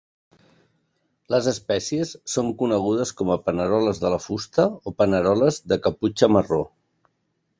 Les espècies són conegudes com a paneroles de la fusta o paneroles de caputxa marró.